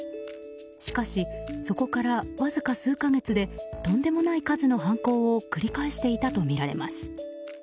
しかし、そこからわずか数か月でとんでもない数の犯行を繰り返していたとみられます。